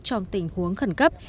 trong tình huống khẩn cấp